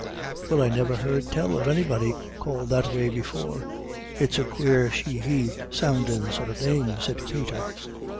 "Well, I nivir heard tell of anybody called that way before. It's a quare she he soundin' sort of name," said Peter.